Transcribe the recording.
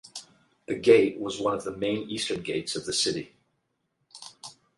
The gate was one of the main eastern gates of the city.